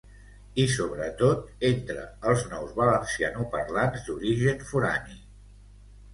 i sobretot entre els nous valencianoparlants d'origen forani